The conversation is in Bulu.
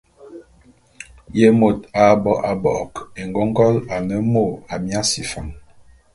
Ye môt a bo a bo'ok éngôngol ane mô Amiasi Fan?